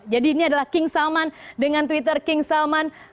jadi ini adalah king salman dengan twitter king salman